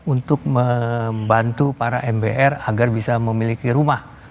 untuk membantu para mbr agar bisa memiliki rumah